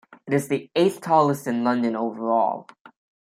It is the eighth tallest in London overall.